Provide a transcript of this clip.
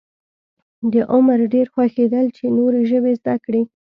د عمر ډېر خوښېدل چې نورې ژبې زده کړي.